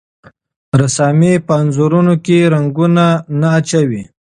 رسامي په انځورونو کې رنګونه نه اچوي.